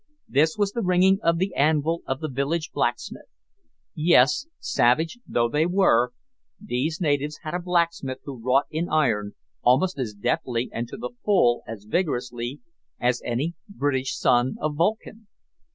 This was the ringing of the anvil of the village blacksmith. Yes, savage though they were, these natives had a blacksmith who wrought in iron, almost as deftly, and to the full as vigorously, as any British son of Vulcan.